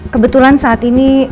kebetulan saat ini